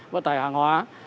vận tải hàng hóa